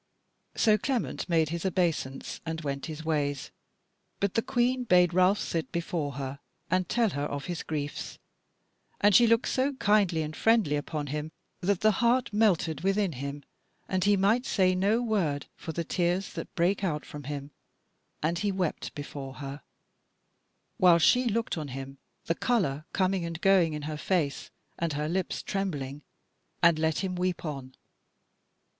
So Clement made his obeisance and went his ways. But the Queen bade Ralph sit before her, and tell her of his griefs, and she looked so kindly and friendly upon him that the heart melted within him, and he might say no word, for the tears that brake out from him, and he wept before her; while she looked on him, the colour coming and going in her face, and her lips trembling, and let him weep on.